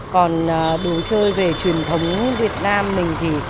còn đồ chơi về truyền thống việt nam mình thì